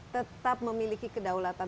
tetap memiliki kedaulatan